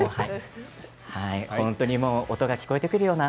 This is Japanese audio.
本当に音が聞こえてくるような。